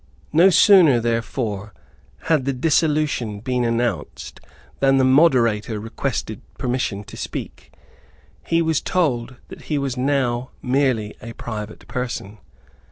No sooner therefore had the dissolution been announced than the Moderator requested permission to speak. He was told that he was now merely a private person.